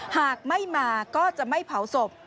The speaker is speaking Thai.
หากไม่มาก็จะไม่เผาศพ